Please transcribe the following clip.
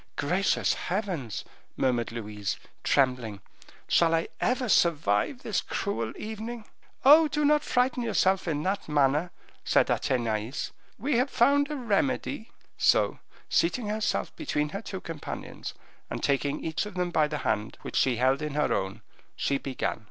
"Gracious heavens!" murmured Louise, trembling, "shall I ever survive this cruel evening?" "Oh! do not frighten yourself in that manner," said Athenais; "we have found a remedy." So, seating herself between her two companions, and taking each of them by the hand, which she held in her own, she began.